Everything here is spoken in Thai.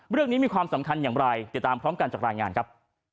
เรื่องนี้มีความสำคัญอย่างไรเดี๋ยวตามพร้อมกันจากรายงานครับ